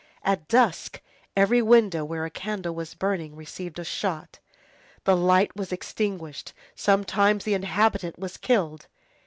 At dusk, every window where a candle was burning received a shot. The light was extinguished, sometimes the inhabitant was killed.